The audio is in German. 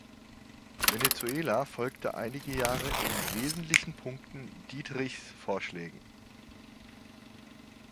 Venezuela folgte einige Jahre in wesentlichen Punkten Dieterichs Vorschlägen.